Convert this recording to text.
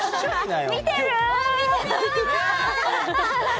見てる？